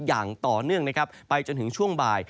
อย่างต่อเนื่องนะครับไปจนถึงช่วงบ่าย